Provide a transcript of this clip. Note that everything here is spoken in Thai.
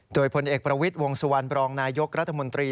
โดยพลเอกประวิทย์วงสุวรรณบรองนายกรัฐมนตรี